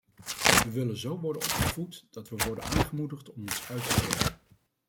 We willen zo worden opgevoed dat we worden aangemoedigd om ons uit te spreken.